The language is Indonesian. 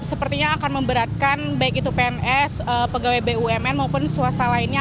sepertinya akan memberatkan baik itu pns pegawai bumn maupun swasta lainnya